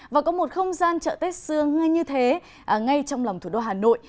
và có một không gian chợ tết xưa ngay như thế ngay trong lòng thủ đô hà nội